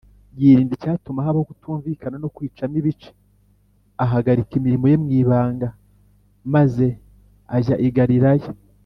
. Yirinda icyatuma habaho kutumvikana no kwicamo ibice, Ahagarika imirimo ye mw’ibanga, maze ajya i Galilaya